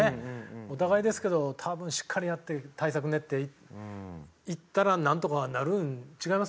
お互いですけど多分しっかりやって対策練っていったらなんとかなるん違います？